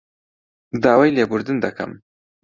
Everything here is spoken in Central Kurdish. داوای لێبوردن دەکەم